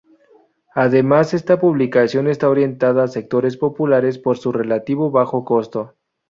Además, esta publicación está orientada a sectores populares por su relativo bajo costo.